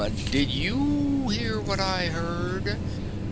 Did you hear what I heard?"